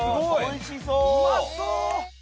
うまそう！